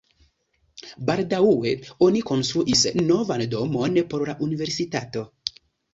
Baldaŭe oni konstruis novan domon por la universitato.